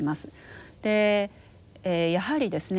やはりですね